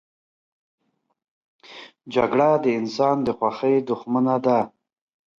جګړه د انسان د خوښۍ دښمنه ده